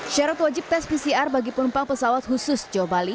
syarat wajib tes pcr bagi penumpang pesawat khusus jawa bali